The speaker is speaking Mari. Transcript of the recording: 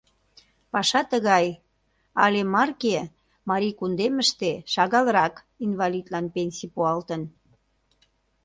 Паша тыгай: але марке Марий кундемыште шагалрак инвалидлан пенсий пуалтын.